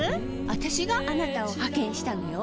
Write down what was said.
私があなたを派遣したのよ